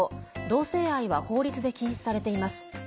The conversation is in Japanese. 同性愛は法律で禁止されています。